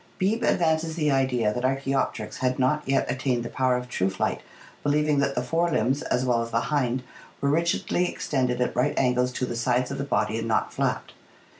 Beebe advances the idea that ArcfuBopteryx had not yet attained the power of true flight, be lieving that the fore limbs as well as the hind were rigidly ex tended at right angles to the sides of the body and not flapped.